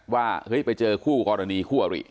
ว่าเฮ้ยไปเจอคู่กรณีคู่อริ